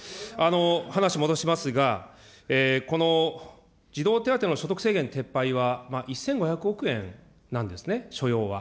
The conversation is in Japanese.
話戻しますが、この児童手当の所得制限撤廃は、１５００億円なんですね、所要は。